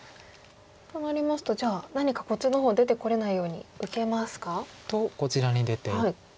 となりますとじゃあ何かこっちの方出てこれないように受けますか？とこちらに出ていって。